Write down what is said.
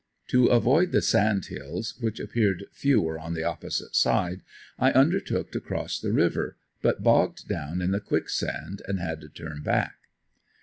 To avoid the sand hills, which appeared fewer on the opposite side, I undertook to cross the river, but bogged down in the quicksand and had to turn back.